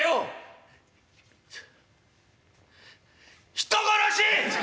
人殺し！」。